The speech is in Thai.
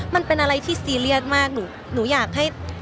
มันเป็นอะไรที่ซีเรียสมากหนูอยากให้